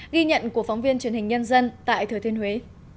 ghi nhận của phóng viên truyền hình nhân dân tại thừa thiên huế